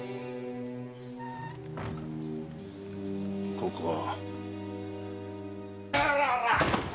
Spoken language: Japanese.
ここは。